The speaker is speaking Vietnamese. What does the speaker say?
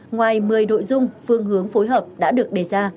ngoài một mươi nội dung phương hướng phối hợp đã được đề ra